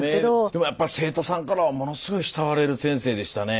でもやっぱり生徒さんからはものすごい慕われる先生でしたね。